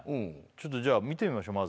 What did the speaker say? ちょっとじゃ見てみましょう